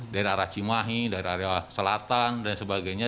dari arah cimahi dari area selatan dan sebagainya